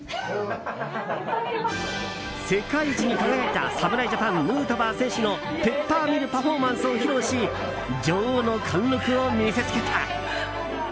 世界一に輝いた侍ジャパンヌートバー選手のペッパーミルパフォーマンスを披露し女王の貫録を見せつけた。